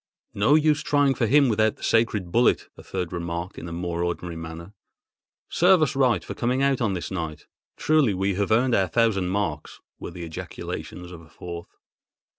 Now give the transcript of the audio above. "No use trying for him without the sacred bullet," a third remarked in a more ordinary manner. "Serve us right for coming out on this night! Truly we have earned our thousand marks!" were the ejaculations of a fourth.